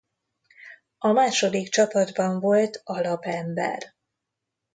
A második csapatban volt alapember.